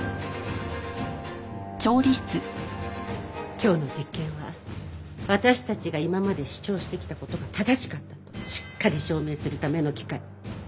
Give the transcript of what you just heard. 今日の実験は私たちが今まで主張してきた事が正しかったとしっかり証明するための機会。